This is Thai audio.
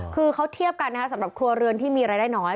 คือเขาเทียบกันนะคะสำหรับครัวเรือนที่มีรายได้น้อย